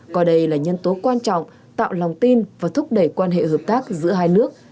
coi đây là nhân tố quan trọng tạo lòng tin và thúc đẩy quan hệ hợp tác giữa hai nước